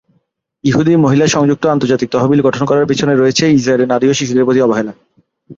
ইহুদি মহিলা সংযুক্ত আন্তর্জাতিক তহবিল গঠন করার পিছনে রয়েছে ইসরাইলে নারী ও শিশুদের প্রতি অবহেলা।